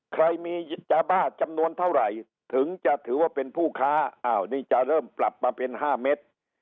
ใครมียาบ้าจำนวนเท่าไหร่ถึงจะถือว่าเป็นผู้ค้าอ้าวนี่จะเริ่มปรับมาเป็น๕เม็ด